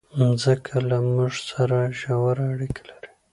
مځکه له موږ سره ژوره اړیکه لري.